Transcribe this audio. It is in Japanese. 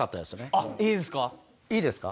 あっいいですか？